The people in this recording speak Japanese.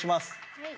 はい。